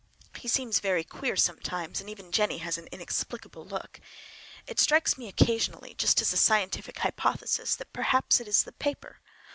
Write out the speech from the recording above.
He seems very queer sometimes, and even Jennie has an inexplicable look. It strikes me occasionally, just as a scientific hypothesis, that perhaps it is the paper!